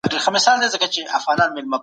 افغان ځواک ښه سازمان و